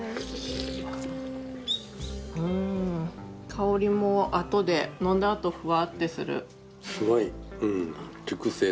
香りもあとで飲んだあとふわってする。